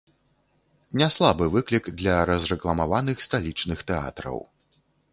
Няслабы выклік для разрэкламаваных сталічных тэатраў.